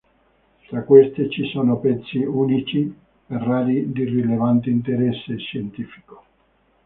Tra queste ci sono pezzi unici e rari di rilevante interesse scientifico.